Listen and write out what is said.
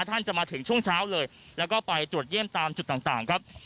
ท่านจะมาถึงช่วงเช้าเลยแล้วก็ไปตรวจเยี่ยมตามจุดต่างครับ